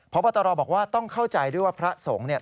พระพระตรอบอกว่าต้องเข้าใจด้วยว่าพระสงฆ์